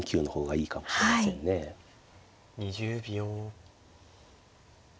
２０秒。